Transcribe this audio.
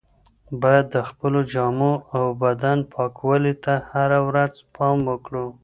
باید د خپلو جامو او بدن پاکوالي ته هره ورځ پام وکړو.